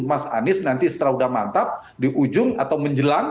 mas anies nanti setelah udah mantap di ujung atau menjelang